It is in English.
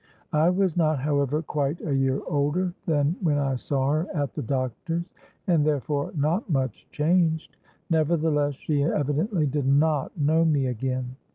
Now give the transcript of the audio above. I was not however quite a year older than when I saw her at the doctor's, and therefore not much changed: nevertheless, she evidently did not know me again.